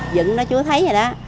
dẫn nó chú thấy rồi đó